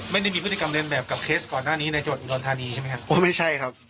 ไม่ได้มีพฤติกรรมเรียนแบบกับเคสก่อนหน้านี้ในจังหวัดอุดรธานีใช่ไหมครับโอ้ไม่ใช่ครับ